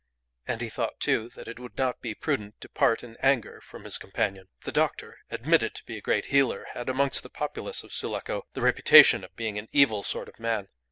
And he thought, too, that it would not be prudent to part in anger from his companion. The doctor, admitted to be a great healer, had, amongst the populace of Sulaco, the reputation of being an evil sort of man.